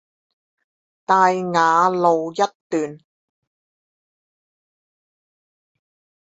大雅路一段